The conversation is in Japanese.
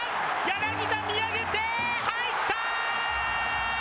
柳田、見上げて入った！